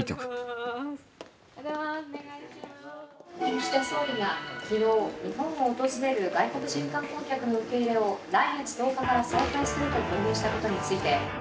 「岸田総理が昨日日本を訪れる外国人観光客の受け入れを来月１０日から再開すると表明したことについて」。